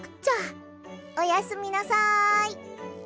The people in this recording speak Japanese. おやすみなさい。